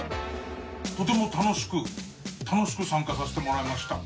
とても楽しく参加させてもらいました。